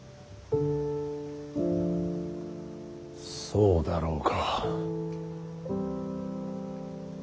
そうだろうか。